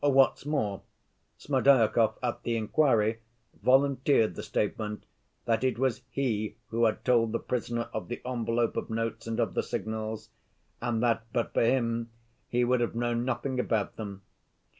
"What's more, Smerdyakov at the inquiry volunteered the statement that it was he who had told the prisoner of the envelope of notes and of the signals, and that, but for him, he would have known nothing about them.